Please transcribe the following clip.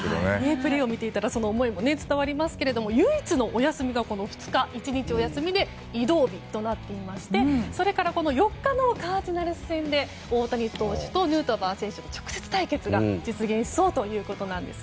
プレーを見ていたらその思いも伝わりますが唯一のお休みが２日で移動日となっていましてそれから４日のカージナルス戦で大谷選手とヌートバー選手の直接対決が実現しそうということです。